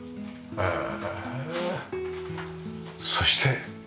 へえ。